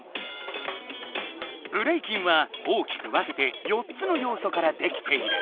ブレイキンは大きく分けて４つのようそからできている。